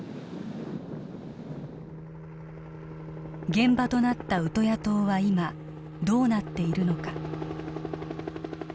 現場となったウトヤ島は今どうなっているのか？